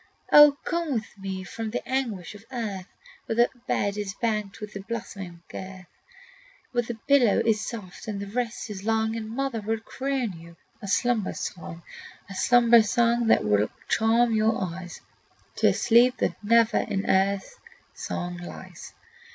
"O come with me from the anguish of earth, Where the bed is banked with a blossoming girth, "Where the pillow is soft and the rest is long, And mother will croon you a slumber song, "A slumber song that will charm your eyes To a sleep that never in earth song lies!